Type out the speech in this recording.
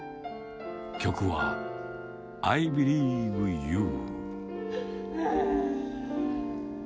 曲は、アイ・ビリーブ・ユー。